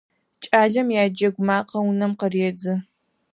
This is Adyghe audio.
КӀалэмэ яджэгу макъэ унэм къыредзэ.